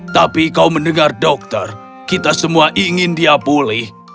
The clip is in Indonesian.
tapi kau mendengar dokter kita semua ingin dia pulih